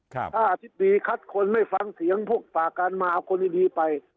ถ้าอธิบดีคัดคนไม่ฟังเสียงพวกฝากการมาเอาคนดีไป